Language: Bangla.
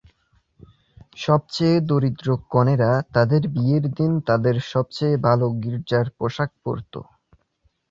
সবচেয়ে দরিদ্র কনেরা তাদের বিয়ের দিনে তাদের সবচেয়ে ভাল গির্জার পোশাক পরত।